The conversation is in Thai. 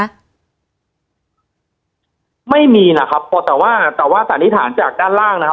ไม่มีนะครับแต่ว่าแต่ว่าสันนิษฐานจากด้านล่างนะครับ